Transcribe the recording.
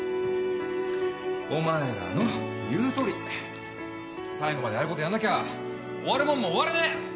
お前らの言うとおり最後までやることやんなきゃ終わるもんも終われねえ！